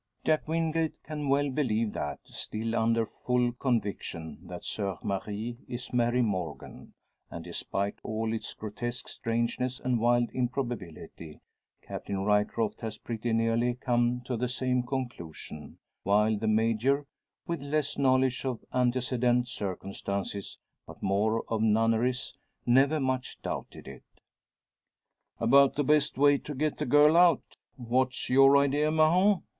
Jack Wingate can well believe that; still under full conviction that "Soeur Marie" is Mary Morgan; and, despite all its grotesque strangeness and wild improbability, Captain Ryecroft has pretty nearly come to the same conclusion; while the Major, with less knowledge of antecedent circumstances, but more of nunneries, never much doubted it. "About the best way to get the girl out. What's your idea, Mahon?"